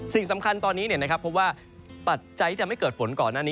สิ่งสำคัญตอนนี้นะครับเพราะว่าปัจจัยที่ทำให้เกิดฝนก่อนหน้านี้